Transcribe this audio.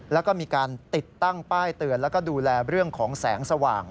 แล้วก็มีการติดตั้งป้ายเตือนแล้วก็ดูแลเรื่องของแสงสว่าง